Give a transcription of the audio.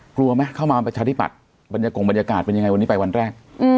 กลัวไหมเข้ามาประชาธิบัติบรรยากาศเป็นยังไงวันนี้ไปวันแรก